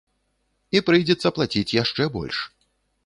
І прыйдзецца плаціць яшчэ больш.